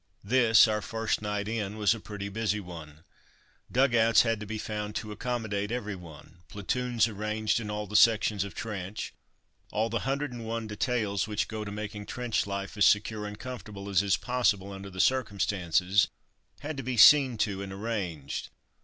This, our first night in, was a pretty busy one. Dug outs had to be found to accommodate every one; platoons arranged in all the sections of trench, all the hundred and one details which go to making trench life as secure and comfortable as is possible under the circumstances, had to be seen to and arranged.